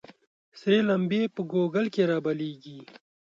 ســـــــرې لمـبـــــې په ګوګـل کــې رابلـيـــږي